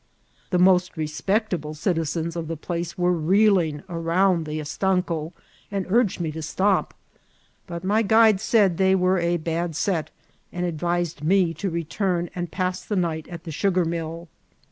The most ▲ MAJOR DOMO. 89S reBpeetable citizensof tfae plaoe were reeling round the estanco, and urged me to stop ; but my guide said they were a bad set, and advised me to return and pass the night at the sugar mill.